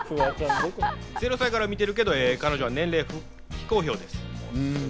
０歳から見てるけど、彼女は年齢非公表です。